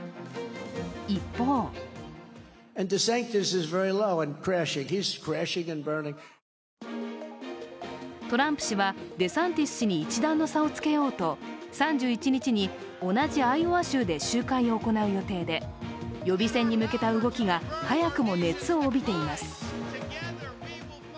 一方トランプ氏は、デサンティス氏に一段の差をつけようと３１日に同じアイオワ州で集会を行う予定で、予備選に向けた動きが早くも熱を帯びています。